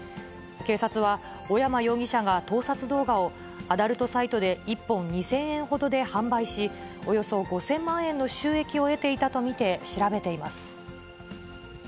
警察は、小山容疑者が盗撮動画をアダルトサイトで１本２０００円ほどで販売し、およそ５０００万円の収益を得ていたと見て調べています。